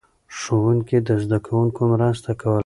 ښوونکي د زده کوونکو مرسته کوله.